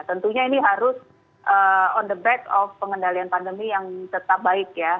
tentunya ini harus on the back of pengendalian pandemi yang tetap baik ya